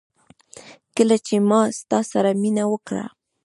کله چي ما ستا سره مينه وکړه